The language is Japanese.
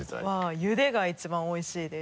ゆでが一番おいしいです。